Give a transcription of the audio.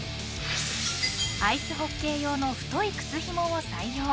アイスホッケー用の太い靴ひもを採用。